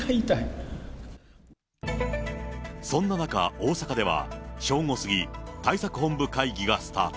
そんな中、大阪では、正午過ぎ、対策本部会議がスタート。